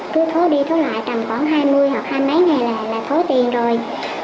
thì là cứ thố đi thố lại tầm khoảng hai mươi hoặc hai mươi mấy ngày là thố tiền rồi